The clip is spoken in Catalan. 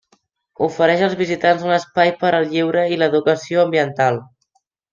Ofereix als visitants un espai per al lleure i l'educació ambiental.